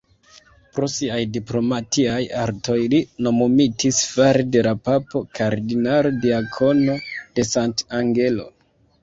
Pro siaj diplomatiaj artoj li nomumitis fare de la papo "Kardinalo-diakono de Sant'Angelo".